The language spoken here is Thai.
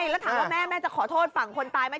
แล้วถามว่าแม่แม่จะขอโทษฝั่งคนตายไหม